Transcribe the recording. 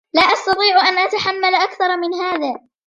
لا أستطيع أن أتحمل أكثر من هذا.